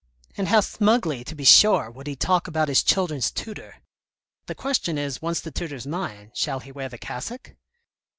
And how smugly, to be sure, would he talk about his children's tutor !.... The question is, once the tutor's mine, shall he wear the cassock